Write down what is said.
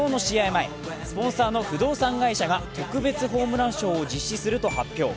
前、スポンサーの不動産会社が特別ホームラン賞を実施すると発表。